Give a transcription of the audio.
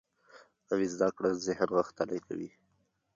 نوې زده کړه ذهن غښتلی کوي